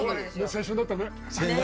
青春だったね。